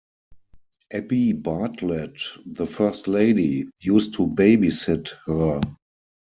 Abbey Bartlet, the First Lady, used to babysit her.